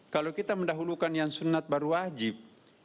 kalau kita mendahulukan yang sunat baru wajib